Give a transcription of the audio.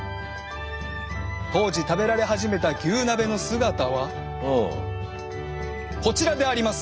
当時食べられ始めた牛鍋の姿はこちらであります！